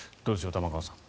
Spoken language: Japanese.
玉川さん。